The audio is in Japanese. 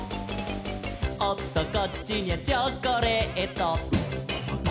「おっとこっちにゃチョコレート」